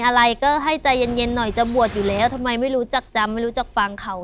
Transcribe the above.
อะไรก็ให้ใจเย็นหน่อยจะบวชอยู่แล้วทำไมไม่รู้จักจำไม่รู้จักฟังเขา